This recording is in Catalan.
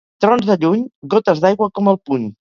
Trons de lluny, gotes d'aigua com el puny.